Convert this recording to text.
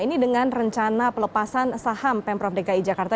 ini dengan rencana pelepasan saham pemprov dki jakarta